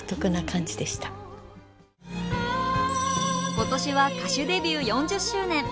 今年は歌手デビュー４０周年。